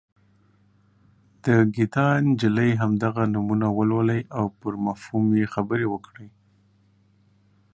د ګیتا نجلي همدغه نمونه ولولئ او پر مفهوم یې خبرې وکړئ.